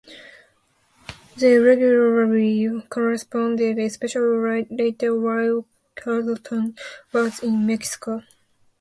They regularly corresponded, especially later while Charlotte was in Mexico.